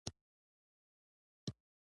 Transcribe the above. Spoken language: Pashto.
په سیمو کې جوړول.